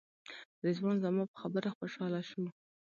رضوان زما په خبره خوشاله شو.